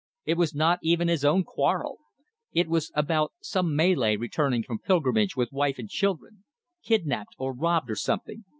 It was not even his own quarrel. It was about some Malay returning from pilgrimage with wife and children. Kidnapped, or robbed, or something.